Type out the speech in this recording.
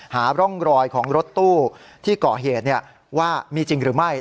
หาร่องรอยของรถตู้ที่ก่อเหตุว่ามีจริงหรือไม่